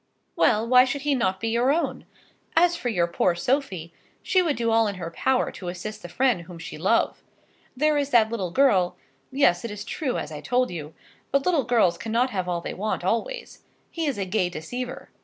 ] Well, why should he not be your own? As for your poor Sophie, she would do all in her power to assist the friend whom she love. There is that little girl, yes; it is true as I told you. But little girls cannot have all they want always. He is a gay deceiver.